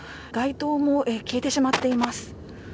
街灯も消えてしまっています。